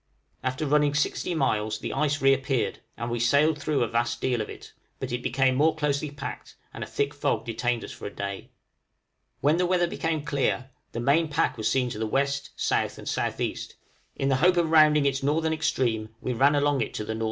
After running 60 miles the ice re appeared, and we sailed through a vast deal of it, but it became more closely packed, and a thick fog detained us for a day. When the weather became clear, the main pack was seen to the W., S., and S.E.; in the hope of rounding its northern extreme we ran along it to the N.W.